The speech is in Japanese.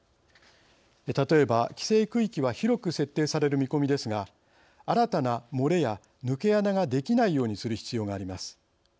例えば、規制区域は広く設定される見込みですが新たな漏れや抜け穴ができないようにする必要があります。